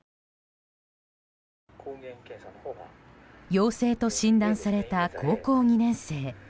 陽性と診断された高校２年生。